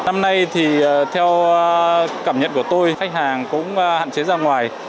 năm nay thì theo cảm nhận của tôi khách hàng cũng hạn chế ra ngoài